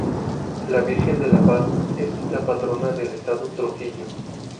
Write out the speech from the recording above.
La Virgen de la Paz es la patrona del estado Trujillo.